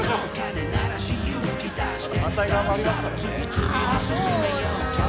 まだ反対側もありますからねああ